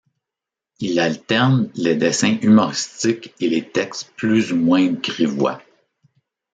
Il alterne les dessins humoristiques et les textes plus ou moins grivois.